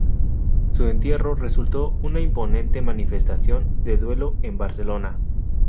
Su entierro resultó una imponente manifestación de duelo en Barcelona.